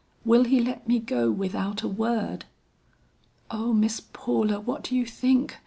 "Will he let me go without a word?" "O Miss Paula, what do you think?"